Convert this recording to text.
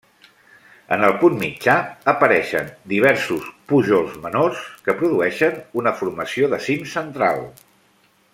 En el punt mitjà apareixen diversos pujols menors que produeixen una formació de cim central.